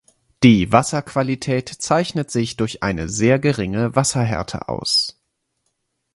Die Wasserqualität zeichnet sich durch eine sehr geringe Wasserhärte aus.